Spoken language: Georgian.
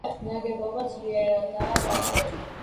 ნაგებობა ძლიერადაა დანგრეული.